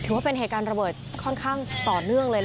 ถือว่าเป็นเหตุการณ์ระเบิดค่อนข้างต่อเนื่องเลย